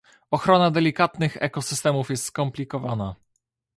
Ochrona delikatnych ekosystemów jest skomplikowana